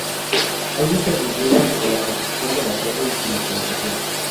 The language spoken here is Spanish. Hay muchas leyendas sobre la construcción de la torre y su localización.